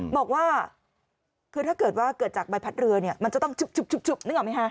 บอกว่าถ้าเกิดจากใบพัดเรือมันจะต้องชุบนึกออกไหมคะ